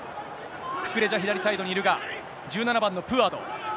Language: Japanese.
ククレジャ、左サイドにいるが、１７番のプアド。